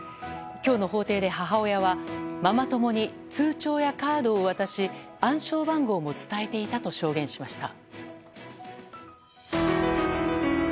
今日の法廷で母親はママ友に通帳やカードを渡し暗証番号も伝えていたと証言しました。